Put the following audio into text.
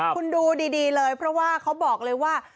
คุณดูดีเลยเพราะว่าเขาบอกเลยว่า